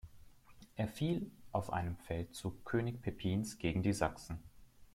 Er fiel auf einem Feldzug König Pippins gegen die Sachsen.